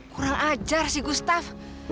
kurang ajar sih gustaf